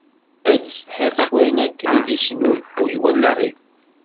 Ad setḥiɣ s wayen akken d-yesnlfuy wallaɣ-iw.